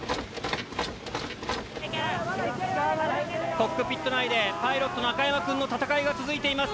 コックピット内でパイロット中山くんの闘いが続いています。